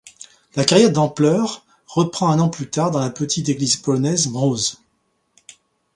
La carrière d'Ampler reprend un an plus tard dans la petite équipe polonaise Mróz.